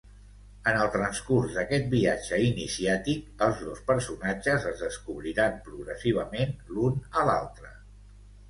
En el transcurs d'aquest viatge iniciàtic, els dos personatges es descobriran progressivament l'un a l'altre.